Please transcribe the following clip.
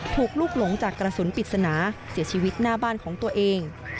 ลูกหลงจากกระสุนปริศนาเสียชีวิตหน้าบ้านของตัวเอง